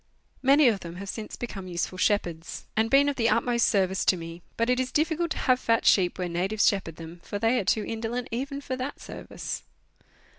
Many of them have since become useful shepherds, and been of the utmost service to me, but it is difficult to have fat sheep where natives shepherd them, for they are too indolent even for that service.